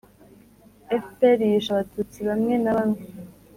fpr yishe abatutsi bamwe na bamwe